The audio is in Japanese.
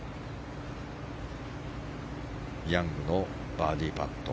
ヤングのバーディーパット。